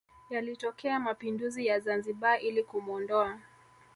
Yalitokea mapinduzi ya Zanzibar ili kumuondoa